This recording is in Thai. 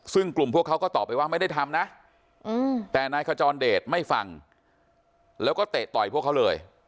ซึ่งกลุ่มพวกเขาก็ตอบไปว่าไม่ได้ทำนะแต่นายขจรเดชไม่ฟังแล้วก็เตะต่อยพวกเขาเลย